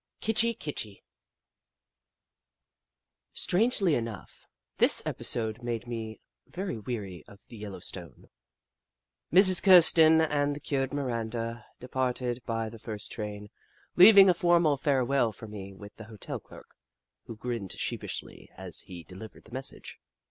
KITCHI KITCHI Strangely enough, this episode made me very weary of the Yellowstone. Mrs. Kirsten and the cured Miranda departed by the first train, leaving a formal farewell for me with the hotel clerk, who grinned sheepishly as he delivered the message.